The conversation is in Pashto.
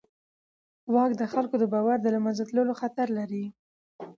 واک د خلکو د باور د له منځه تلو خطر لري.